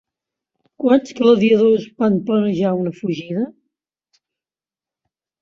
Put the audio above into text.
Quants gladiadors van planejar una fugida?